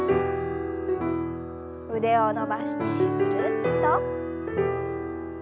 腕を伸ばしてぐるっと。